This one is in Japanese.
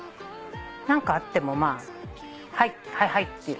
何かあってもまあ「はいはい」